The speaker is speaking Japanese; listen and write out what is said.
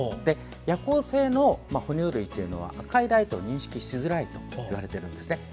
夜行性の哺乳類は赤いライトを認識しづらいといわれているんですね。